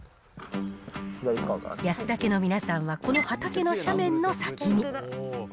安田家の皆さんはこの畑の斜面の先に。